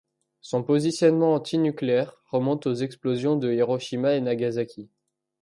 Son positionnement anti-nucléaire remonte aux explosions de Hiroshima et Nagasaki.